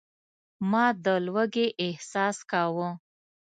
ما د لوږې احساس کاوه.